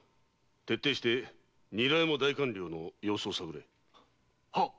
徹底して韮山代官領の様子を探れ。